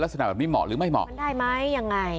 ลักษณะแบบนี้เหมาะหรือไม่เหมาะมันได้ไหมยังไง